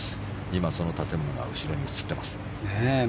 今、その建物が後ろに映っています。